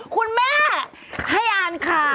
คุณแม่ให้อ่านข่าว